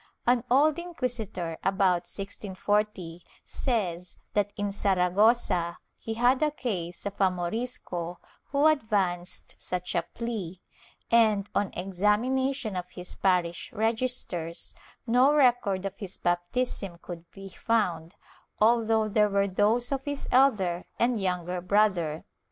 An old inquisitor, about 1640 says that in Saragossa he had a case of a Morisco who advanced such a plea and, on examination of his parish registers, no record of his baptism could be found, although there were those of his elder and younger brother.